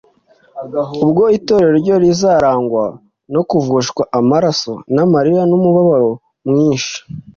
ubwo itorero rye rizarangwa no kuvushwa amaraso n'amarira n'umubabaro mwinshi.